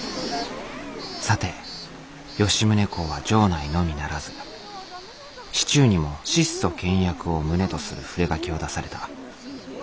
さて吉宗公は城内のみならず市中にも質素倹約を旨とする触書を出された。